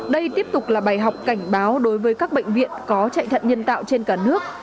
đây tiếp tục là bài học cảnh báo đối với các bệnh viện có chạy thận nhân tạo trên cả nước